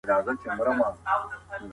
د سرطان ژوندي پاتې کېدل د پرمختګ نښه ده.